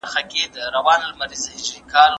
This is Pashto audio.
ځیګر د بدن مهم غړی دی.